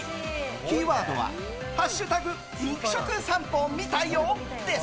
キーワードは「＃肉食さんぽ見たよ」です。